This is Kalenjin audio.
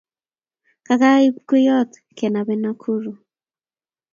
Kakaib kweyot kenab en Nakuru